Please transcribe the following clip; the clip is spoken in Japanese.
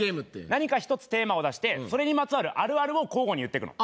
何か１つテーマを出してそれにまつわるあるあるを交互に言っていくの。